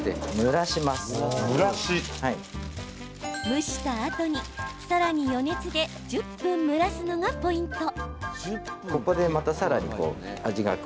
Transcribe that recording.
蒸したあとに、さらに余熱で１０分、蒸らすのがポイント。